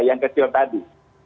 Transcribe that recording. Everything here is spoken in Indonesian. yang kecil tadi